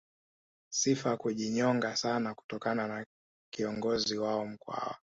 Sifa ya kujinyonga sana kutokana na kiongozi wao Mkwawa